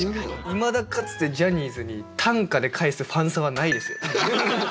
いまだかつてジャニーズに短歌で返すファンサはないですよ。